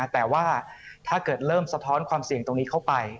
แต่ว่าถ้าเกิดเริ่มสะท้อนความเสี่ยงตรงนี้เข้าไป